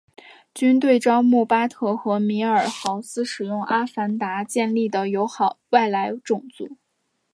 军队招募巴特和米尔豪斯使用阿凡达建立交好的外来种族。